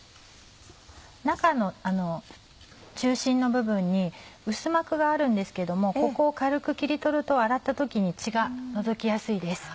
中の中心の部分に薄膜があるんですけれどもここを軽く切り取ると洗った時に血が除きやすいです。